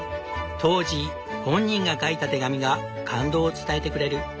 当時本人が書いた手紙が感動を伝えてくれる。